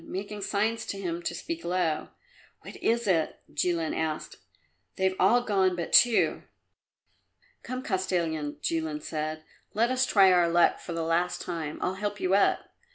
making signs to him to speak low. "What is it?" Jilin asked. "They've all gone but two." "Come, Kostilin," Jilin said; "let us try our luck for the last time; I'll help you up."